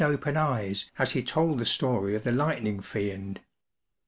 687 open eyes as he told the story of the Lightning Fiend.